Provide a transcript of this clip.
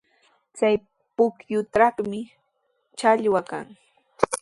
Chay pukyutrawmi challwa kan.